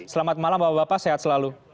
selamat malam bapak bapak sehat selalu